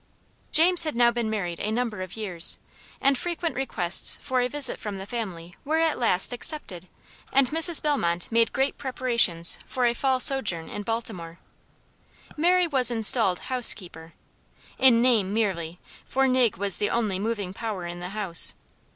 James had now been married a number of years, and frequent requests for a visit from the family were at last accepted, and Mrs. Bellmont made great preparations for a fall sojourn in Baltimore. Mary was installed housekeeper in name merely, for Nig was the only moving power in the house.